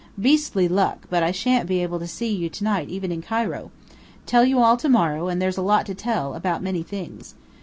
Beastly luck, but I shan't be able to see you to night even in Cairo. Tell you all to morrow and there's a lot to tell, about many things.